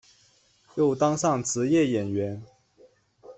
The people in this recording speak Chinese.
又当上职业演员。